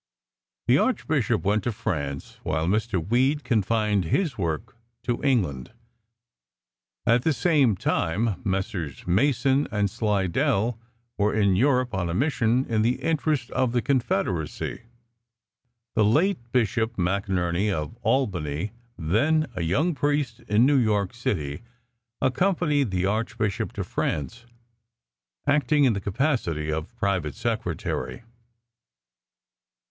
The Archbishop went to France, while Mr. Weed confined his work to England. At the same time Messrs. Mason and Slidell were in Europe on a mission in the interests of the Confederacy. The late Bishop McNierny, of Albany, then a young priest in New York City, accompanied the Archbishop to France, acting in the capacity of private secretary.